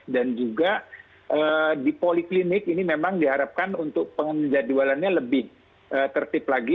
dan juga di poliklinik ini memang diharapkan untuk penjadwalannya lebih tertib lagi